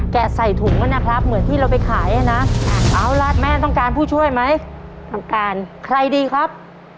แกะใส่ถุงก่อนนะครับ